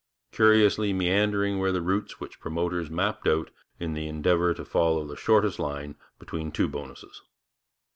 Curiously meandering were the routes which promoters mapped out in the endeavour to follow the shortest line between two bonuses.